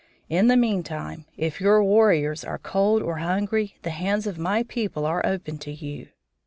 In the meantime if your warriors are cold or hungry the hands of my people are open to you."